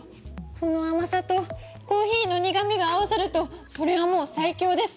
この甘さとコーヒーの苦味が合わさるとそれはもう最強です。